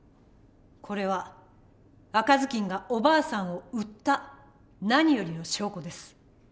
これは赤ずきんがおばあさんを売った何よりの証拠です。